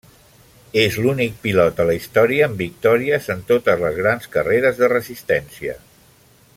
És l'únic pilot a la història amb victòries en totes les grans carreres de resistència.